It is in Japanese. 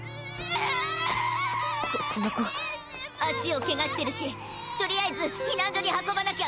こっちの子足を怪我してるしとりあえず避難所に運ばなきゃ。